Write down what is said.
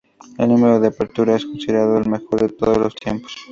El número de apertura es considerado el mejor de todos los tiempos.